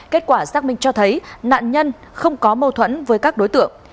kết quả xác minh cho thấy nạn nhân không có mâu thuẫn với các đối tượng